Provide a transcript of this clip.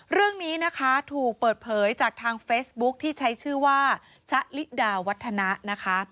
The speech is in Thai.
เรื่องนี้นะคะถูกเปิดเผยจากทางเฟซบุ๊คที่ใช้ชื่อว่าชะลิดาวัฒนะนะคะ